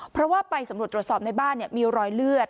เพราะว่าไปสำรวจตรวจสอบในบ้านมีรอยเลือด